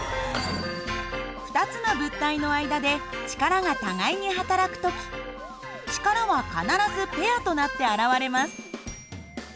２つの物体の間で力が互いにはたらく時力は必ずペアとなって現れます。